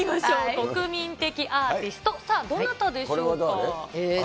国民的アーティスト、さあ、どなたでしょうか？